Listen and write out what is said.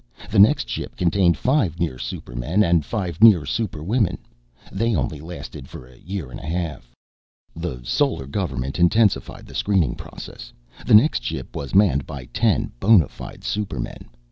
The next ship contained five near supermen, and five near superwomen. They only lasted for a year and a half. The Solar Government intensified the screening process. The next ship was manned by ten bona fide supermen.